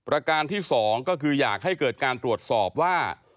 ประการที่๒ก็คืออยากให้เกิดการตรวจสอบว่า